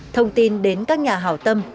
thông tin đến các nhà hào tâm